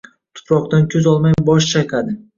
Tuproqdan ko‘z olmay bosh chayqadi.